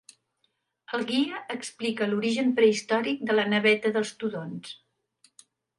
El guia explica l'origen prehistòric de la Naveta des Tudons.